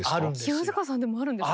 清塚さんでもあるんですか？